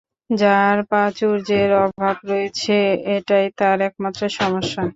যার প্রাচুর্যের অভাব রয়েছে, এটাই তার একমাত্র সমস্যা।